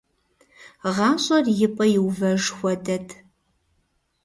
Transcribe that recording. ГъащӀэр и пӀэ иувэж хуэдэт…